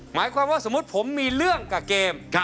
หมายความว่าสมมุติผมมีเรื่องกับเกม